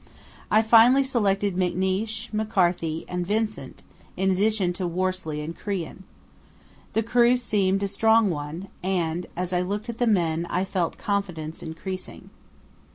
I finally selected McNeish, McCarthy, and Vincent in addition to Worsley and Crean. The crew seemed a strong one, and as I looked at the men I felt confidence increasing.